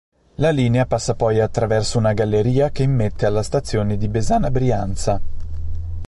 La linea passa poi attraverso una galleria che immette alla stazione di Besana Brianza.